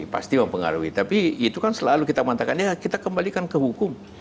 pasti mempengaruhi tapi itu kan selalu kita mengatakan ya kita kembalikan ke hukum